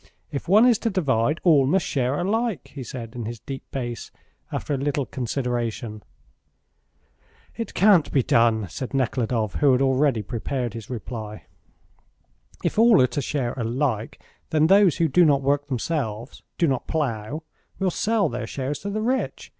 "If one is to divide, all must share alike," he said, in his deep bass, after a little consideration. "It can't be done," said Nekhludoff, who had already prepared his reply. "If all are to share alike, then those who do not work themselves do not plough will sell their shares to the rich.